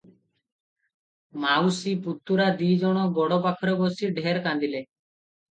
ମାଉସୀ ପୁତୁରା ଦି'ଜଣ ଗୋଡ଼ ପାଖରେ ବସି ଢେର କାନ୍ଦିଲେ ।